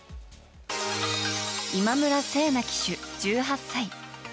今村聖奈騎手、１８歳。